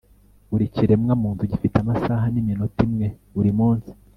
buri kiremwa muntu gifite amasaha niminota imwe buri munsi